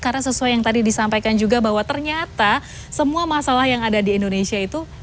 karena sesuai yang tadi disampaikan juga bahwa ternyata semua masalah yang ada di indonesia itu